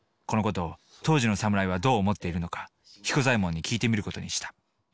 この事を当時の侍はどう思っているのか彦左衛門に聞いてみる事にした